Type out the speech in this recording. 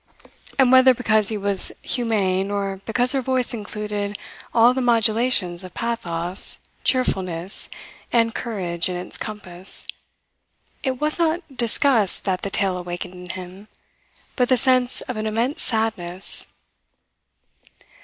And whether because he was humane or because her voice included all the modulations of pathos, cheerfulness, and courage in its compass, it was not disgust that the tale awakened in him, but the sense of an immense sadness.